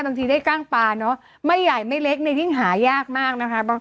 บางทีได้กล้างปลาเนอะไม่ใหญ่ไม่เล็กเนี่ยยิ่งหายากมากนะคะ